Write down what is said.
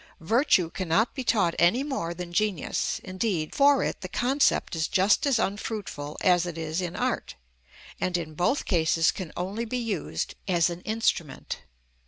Virtue cannot be taught any more than genius; indeed, for it the concept is just as unfruitful as it is in art, and in both cases can only be used as an instrument.